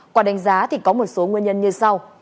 qua đánh giá thì có một số nguyên nhân như sau